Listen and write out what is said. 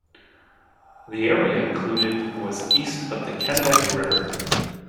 The area included was east of the Kennebec River.